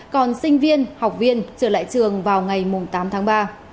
còn sinh viên học viên trở lại trường vào ngày tám tháng ba